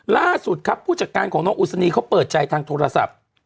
ล่าสุดครับผู้จัดการของน้องอุศนีเขาเปิดใจทางโทรศัพท์